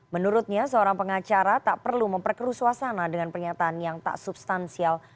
menurutnya seorang pengacara tak perlu memperkeru suasana dengan pernyataan yang tak substansial